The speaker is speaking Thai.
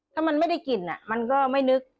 ถ้ามันไม่ได้กลิ่นมันก็ไม่นึก